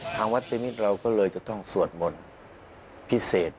ทางวัดติมิตรเราก็เลยจะต้องสวดมนต์พิเศษ